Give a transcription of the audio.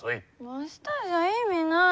明日じゃ意味ない。